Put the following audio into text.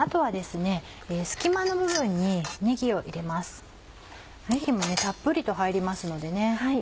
ねぎもたっぷりと入りますのでね。